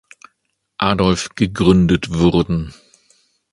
Adolf gegründet wurden.